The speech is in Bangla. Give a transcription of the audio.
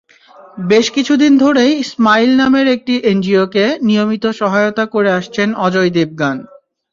বেশ কিছুদিন ধরেই স্মাইল নামে একটি এনজিওকে নিয়মিত সহায়তা করে আসছেন অজয় দেবগন।